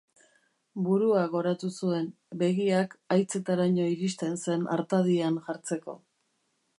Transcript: Burua goratu zuen, begiak haitzetaraino iristen zen artadian jartzeko.